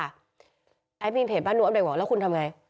แอดมินเพจบ้านนัวเด็กบอกแล้วคุณทำไง